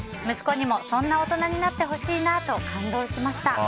息子にもそんな大人になってほしいなと感動しました。